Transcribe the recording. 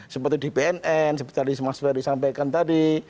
seperti di bnn seperti tadi mas ferry sampaikan tadi